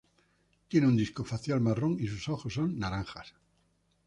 Tiene un disco facial marrón y sus ojos son naranjas.